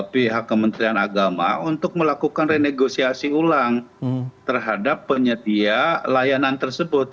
pihak kementerian agama untuk melakukan renegosiasi ulang terhadap penyedia layanan tersebut